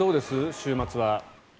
週末は。